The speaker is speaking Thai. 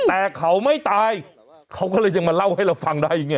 แต่เขาไม่ตายเขาก็เลยยังมาเล่าให้เราฟังได้ไง